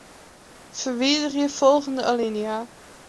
Ferwiderje folgjende alinea.